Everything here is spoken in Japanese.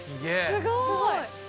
すごい。